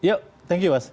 yuk thank you mas